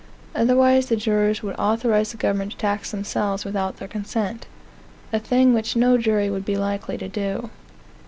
Otherwise the jurors would authorize the government to tax themselves without their consent, a thing which no jury would be likely to do.